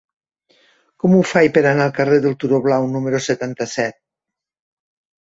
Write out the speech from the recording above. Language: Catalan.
Com ho faig per anar al carrer del Turó Blau número setanta-set?